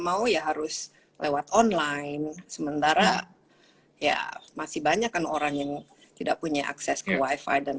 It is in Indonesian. mau ya harus lewat online sementara ya masih banyak kan orang yang tidak punya akses ke wifi dan